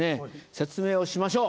説明をしましょう。